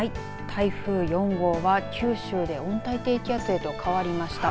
台風４号は、九州で温帯低気圧へと変わりました。